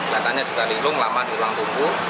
lantarnya juga linglung lama di ruang tunggu